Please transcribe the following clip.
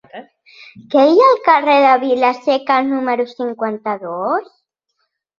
Què hi ha al carrer de Vila-seca número cinquanta-dos?